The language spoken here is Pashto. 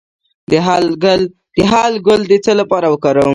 د هل ګل د څه لپاره وکاروم؟